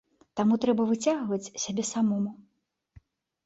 Таму трэба выцягваць сябе самому.